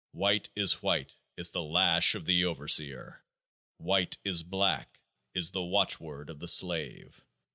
" White is white " is the lash of the overseer :" white is black " is the watchword of the slave.